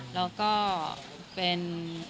แล้วก็เป็น